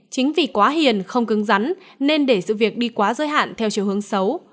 chính vì quá hiền không cứng rắn nên để sự việc đi quá giới hạn theo chiều hướng xấu